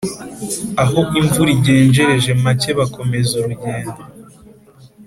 aho imvura igenjereje make bakomeza urugendo,